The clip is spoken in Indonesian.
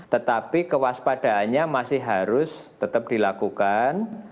tetapi kewaspadaannya masih harus tetap dilakukan